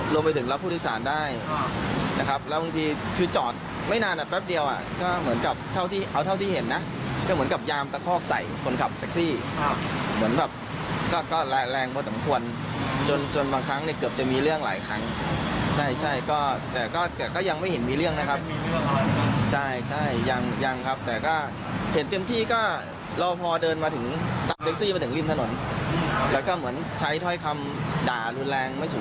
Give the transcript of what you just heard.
ต้องการให้ผู้โดยสารเข้ามาส่งผู้โดยสารให้แท็กซี่เข้ามาส่งผู้โดยสารให้แท็กซี่เข้ามาส่งผู้โดยสารให้แท็กซี่เข้ามาส่งผู้โดยสารให้แท็กซี่เข้ามาส่งผู้โดยสารให้แท็กซี่เข้ามาส่งผู้โดยสารให้แท็กซี่เข้ามาส่งผู้โดยสารให้แท็กซี่เข้ามาส่งผู้โดยสารให้แท็กซี่เข้ามาส่งผู้โดยสารให้แท็กซี่เข้ามาส่งผู้